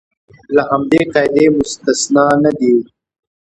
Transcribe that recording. له همدې قاعدې مستثنی نه دي.